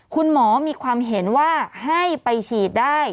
คุณหมอมีความเห็นว่าให้ไปฉีดได้